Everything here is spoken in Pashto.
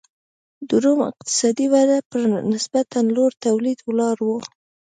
د روم اقتصادي وده پر نسبتا لوړ تولید ولاړه وه.